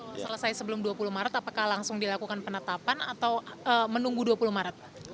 kalau selesai sebelum dua puluh maret apakah langsung dilakukan penetapan atau menunggu dua puluh maret